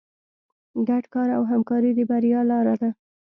ګډ کار او همکاري د بریا لاره ده.